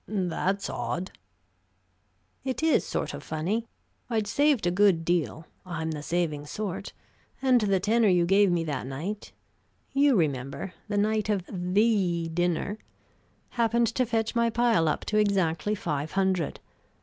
"That's odd." "It is sort of funny. I'd saved a good deal I'm the saving sort and the tenner you gave me that night you remember, the night of the dinner happened to fetch my pile up to exactly five hundred.